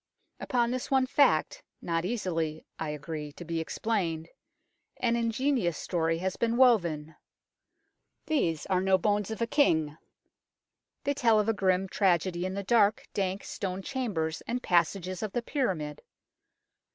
Upon this one fact, not easily, I agree, to be explained, an ingenious story has been woven. These are no bones of a king. They tell of a grim tragedy in the dark, dank stone chambers and passages of the pyramid.